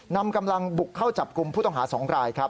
นำกำลังบุกเข้าจับกลุ่มผู้ต้องหา๒รายครับ